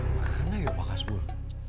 mana ya pak hasbul